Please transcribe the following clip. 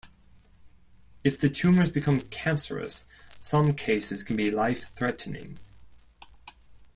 If the tumors become cancerous, some cases can be life-threatening.